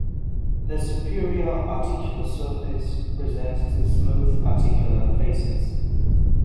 The superior articular surface presents two smooth articular facets.